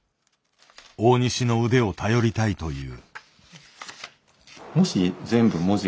大西の腕を頼りたいという。